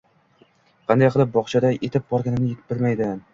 Qanday qilib bog`chaga etib borganimni bilmayman